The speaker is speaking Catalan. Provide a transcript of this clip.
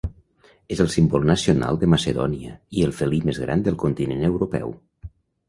És el símbol nacional de Macedònia, i el felí més gran del continent europeu.